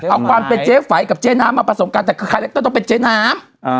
เอาความเป็นเจ๊ไฝกับเจ๊น้ำมาผสมกันแต่คือคาแรคเตอร์ต้องเป็นเจ๊น้ำ